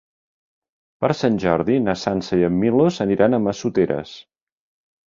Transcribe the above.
Per Sant Jordi na Sança i en Milos aniran a Massoteres.